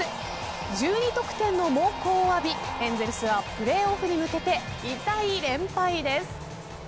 １２得点の猛攻を浴びエンゼルスはプレーオフに向けて痛い連敗です。